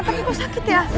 tapi aku sakit ya